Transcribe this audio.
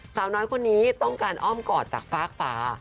สาวน้อยคนนี้ต้องการอ้อมกอดจากฟากฟ้า